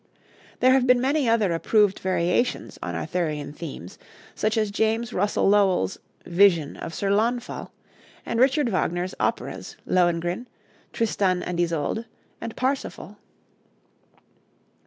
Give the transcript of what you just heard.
There have been many other approved variations on Arthurian themes, such as James Russell Lowell's 'Vision of Sir Launfal,' and Richard Wagner's operas, 'Lohengrin,' 'Tristan and Isolde,' and 'Parsifal.'